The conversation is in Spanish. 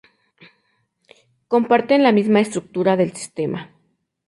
Comparten la misma estructura de sistema.